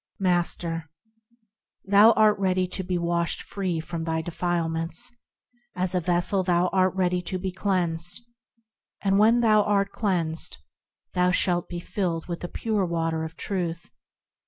Master. Thou art ready to be washed free from thy defilements ; As a vessel thou art ready to be cleansed ; And when thou art cleansed thou shalt be filled with the pure Water of Truth.